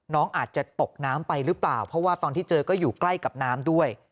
น้องอาจจะตกน้ำไปหรือเปล่าเพราะว่าตอนที่เจอก็อยู่ใกล้กับน้ำด้วย